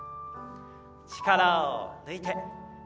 力を抜いて。